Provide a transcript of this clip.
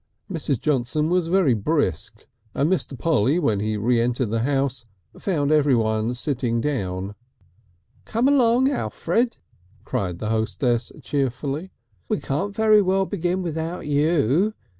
Mrs. Johnson was very brisk, and Mr. Polly, when he re entered the house found everybody sitting down. "Come along, Alfred," cried the hostess cheerfully. "We can't very well begin without you.